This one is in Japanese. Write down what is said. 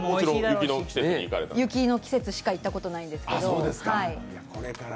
雪の季節しか行ったことないんですけど。